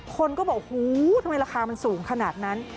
คนก็บอกหูทำไมราคามันสูงขนาดนั้น